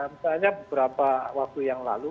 misalnya beberapa waktu yang lalu